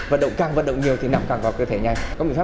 vận động càng vận động nhiều thì nằm càng vào cơ thể nhanh